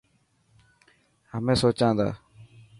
همين سوچان تا.